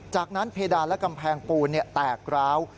จากนั้นเพดานและกำแพงปูนแตกร้าว